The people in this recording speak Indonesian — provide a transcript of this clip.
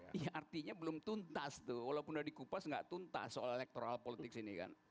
iya artinya belum tuntas tuh walaupun udah dikupas gak tuntas soal elektoral politik sini kan